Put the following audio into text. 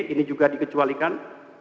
ini juga dikecualikan